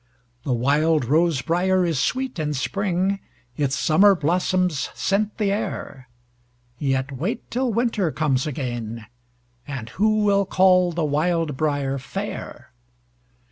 The wild rose briar is sweet in spring, Its summer blossoms scent the air; Yet wait till winter comes again, And who will call the wild briar fair?